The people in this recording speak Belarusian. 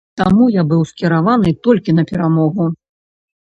Таму я быў скіраваны толькі на перамогу.